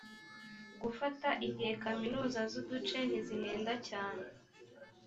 gufata igihe kaminuza z uduce ntizihenda cyane